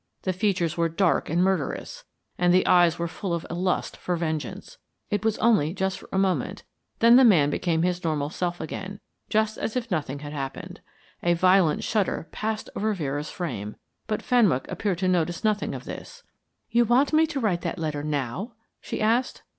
The features were dark and murderous and the eyes were full of a lust for vengeance. It was only just for a moment then the man became his normal self again, just as if nothing had happened. A violent shudder passed over Vera's frame, but Fenwick appeared to notice nothing of this. "You want me to write that letter now?" she asked.